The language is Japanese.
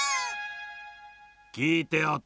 きいておったぞ。